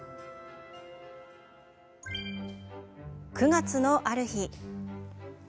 ９月のある日。